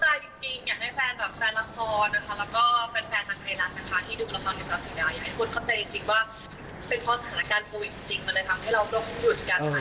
ถ้าไม่ได้มีโควิดเราไม่ได้อยากให้มันเกิดแบบนี้อยู่แล้ว